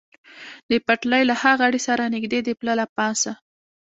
د پټلۍ له ها غاړې سره نږدې د پله له پاسه.